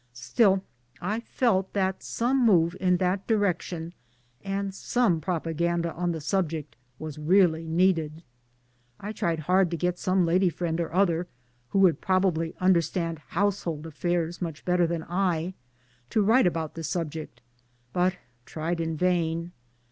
Still I felt that some move in that direction, and some propaganda on the subject, was really needed. I tried hard to get some lady friend or other who would probably understand household affairs much better than I to write about the sub ject ; but tried in vain.